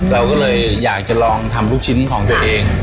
เราก็เลยอยากจะลองทำลูกชิ้นของตัวเอง